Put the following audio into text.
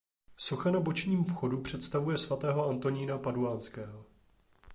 Socha na bočním vchodu představuje svatého Antonína Paduánského.